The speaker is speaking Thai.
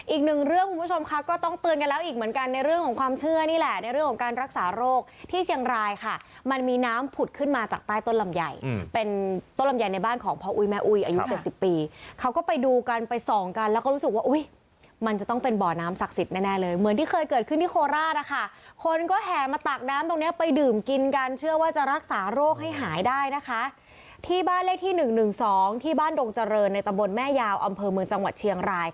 อีกหนึ่งเรื่องคุณผู้ชมค่ะก็ต้องตื่นกันแล้วอีกเหมือนกันในเรื่องของความเชื่อนี่แหละในเรื่องของการรักษาโรคที่เชียงรายค่ะมันมีน้ำผุดขึ้นมาจากใต้ต้นลำใหญ่เป็นต้นลำใหญ่ในบ้านของพ่ออุ๋ยแม่อุ๋ยอายุ๗๐ปีเขาก็ไปดูกันไปส่องกันแล้วก็รู้สึกว่าอุ้ยมันจะต้องเป็นบ่อน้ำศักดิ์สิทธิ